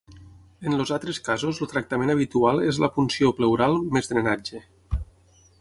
En els altres casos el tractament habitual és la punció pleural més drenatge.